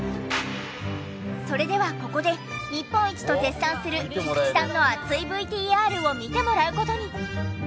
それではここで日本一と絶賛する菊池さんの熱いＶＴＲを見てもらう事に。